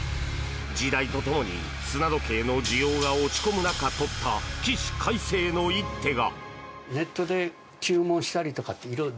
時代とともに砂時計の需要が落ち込む中取った起死回生の一手が。